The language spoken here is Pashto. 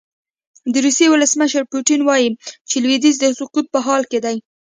د روسیې ولسمشر پوتین وايي چې لویدیځ د سقوط په حال کې دی.